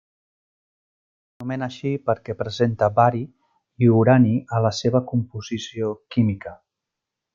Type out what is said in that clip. S'anomena així perquè presenta bari i urani a la seva composició química.